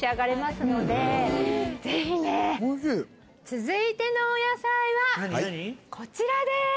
続いてのお野菜はこちらです。